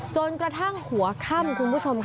จนกระทั่งหัวค่ำคุณผู้ชมค่ะ